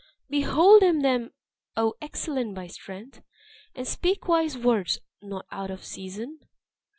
"Behold him then, O excellent by strength! And speak wise words, not out of season.